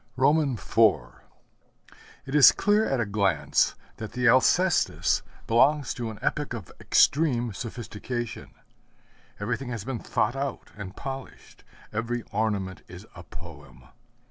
IV It is clear at a glance that the Alcestis belongs to an epoch of extreme sophistication. Everything has been thought out and polished; every ornament is a poem.